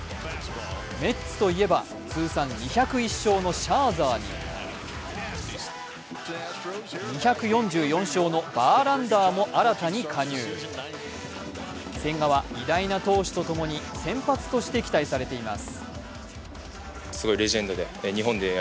メッツといえば通算２０１勝のシャーザーに２４４勝のバーランダーも新たに加入千賀は偉大な投手とともに先発として期待されています。